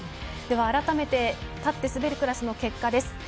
では改めて立って滑るクラスの結果です。